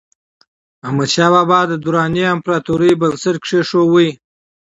احمدشاه بابا د دراني امپراتورۍ بنسټ کېښود.